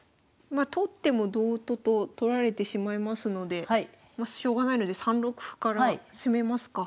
まあ取っても同と金と取られてしまいますのでしょうがないので３六歩から攻めますか。